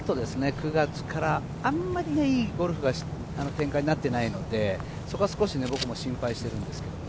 ９月からあんまりいいゴルフは展開になっていないので、そこは少し僕も心配しています。